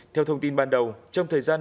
theo thông tin ban đầu trong thời gian